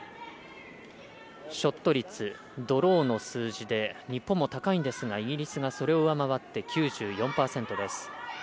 ショット率、ドローの数字で日本も高いんですがイギリスがそれを上回って９４％です。